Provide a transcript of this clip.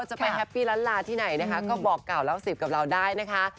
จะไปแฮปปี้ล้านลาที่ไหนนะคะก็บอกกล่าวเล่าสืบกับเราได้นะคะ